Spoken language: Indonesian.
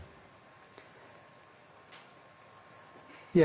dalam hal ini korupsi misalnya